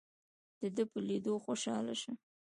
دده په لیدو خوشاله شوم.